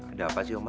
ada apa sih oma